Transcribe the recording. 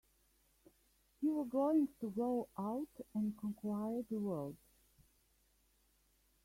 You were going to go out and conquer the world!